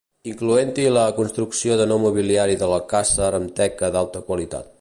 Incloent-hi la construcció de nou mobiliari de l'alcàsser amb teca d'alta qualitat.